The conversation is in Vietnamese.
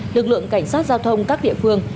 lực lượng cảnh sát giao thông các địa phương